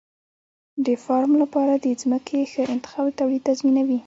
د فارم لپاره د ځمکې ښه انتخاب د تولید تضمینوي.